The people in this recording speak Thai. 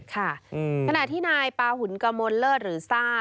ขณะที่นายปาหุ่นกมลเลิศหรือซ่า